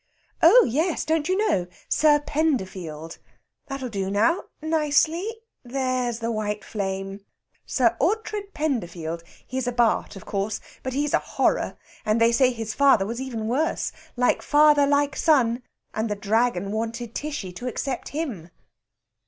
"Oh yes; don't you know? Sir Penderfield. (That'll do now, nicely; there's the white flame!) Sir Oughtred Penderfield. He's a Bart., of course. But he's a horror, and they say his father was even worse. Like father, like son! And the Dragon wanted Tishy to accept him."